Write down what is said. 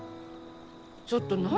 ちょっと何？